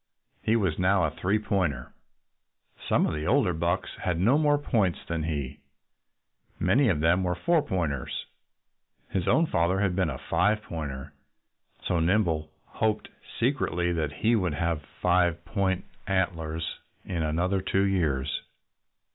He was now a "three pointer." Some of the older bucks had no more points than he. Many of them were but "four pointers." His own father had been a "five pointer." So Nimble hoped, secretly, that he would have five point antlers in another two years.